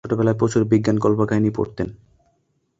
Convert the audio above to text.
ছোটবেলায় প্রচুর বিজ্ঞান কল্পকাহিনী পড়তেন।